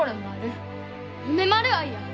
梅丸愛や。